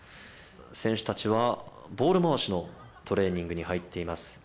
選手たちはボール回しのトレーニングに入っています。